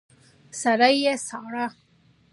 سړک يې څاره.